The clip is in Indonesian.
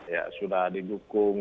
ya sudah didukung